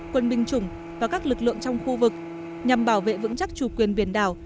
quân binh chủng và các lực lượng trong khu vực nhằm bảo vệ vững chắc chủ quyền biển đảo